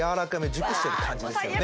熟してる感じですねうわ